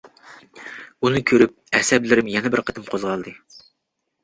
ئۇنى كۆرۈپ ئەسەبلىرىم يەنە بىر قېتىم قوزغالدى.